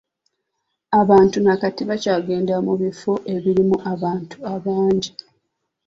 Abantu na kati bakyagenda mu bifo ebirimu abantu abangi.